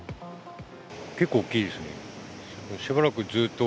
結構大きいですね。